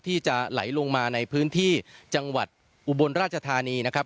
ที่จะไหลลงมาในพื้นที่จังหวัดอุบลราชธานีนะครับ